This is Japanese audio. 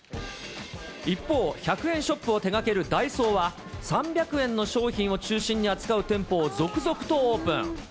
一方、１００円ショップを手がけるダイソーは、３００円の商品を中心に扱う店舗を続々とオープン。